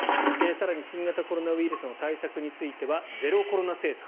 更に新型コロナウイルスの対策については、ゼロコロナ政策